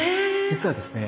実はですね